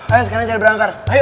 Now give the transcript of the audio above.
ayo sekarang cari berangkar